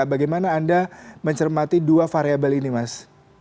bagaimana anda mencermati dua variable ini mas